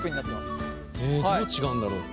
えどう違うんだろう？